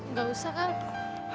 nggak usah kak